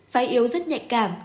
phái yếu rất nhạy cảm